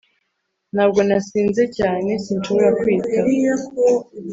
Ntabwo nasinze cyane sinshobora kwiyitaho